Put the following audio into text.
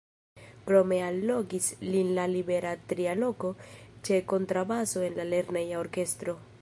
Krome allogis lin la libera tria loko ĉe kontrabaso en la lerneja orkestro.